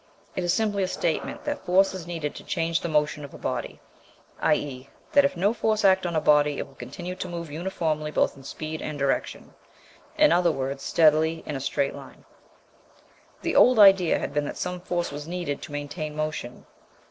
It is simply a statement that force is needed to change the motion of a body; i.e. that if no force act on a body it will continue to move uniformly both in speed and direction in other words, steadily, in a straight line. The old idea had been that some force was needed to maintain motion.